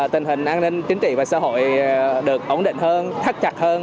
tình hình an ninh chính trị và xã hội được ổn định hơn thắt chặt hơn